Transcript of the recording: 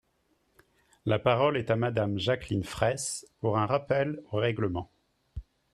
La parole est à Madame Jacqueline Fraysse, pour un rappel au règlement.